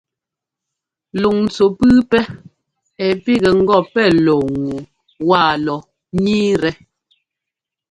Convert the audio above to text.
Luŋntsu pʉ́ʉpɛ́ ɛ́ pigɛ ŋgɔ pɛ́ lɔɔ ŋu wa lɔ ńniitɛ.